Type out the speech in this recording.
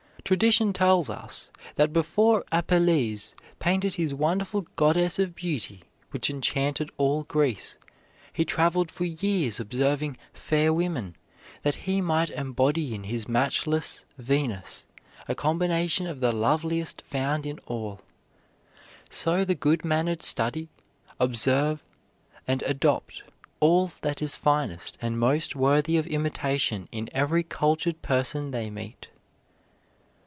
Tradition tells us that before Apelles painted his wonderful Goddess of Beauty which enchanted all Greece, he traveled for years observing fair women, that he might embody in his matchless Venus a combination of the loveliest found in all. So the good mannered study, observe, and adopt all that is finest and most worthy of imitation in every cultured person they meet.